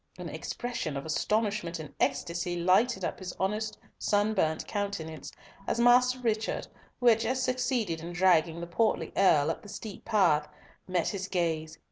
An expression of astonishment and ecstasy lighted up his honest sunburnt countenance as Master Richard, who had just succeeded in dragging the portly Earl up the steep path, met his gaze.